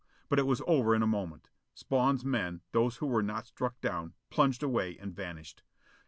But it was over in a moment. Spawn's men, those who were not struck down, plunged away and vanished.